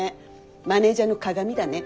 マネージャーの鑑だね。